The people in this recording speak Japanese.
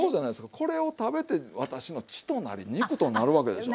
これを食べて私の血となり肉となるわけでしょ。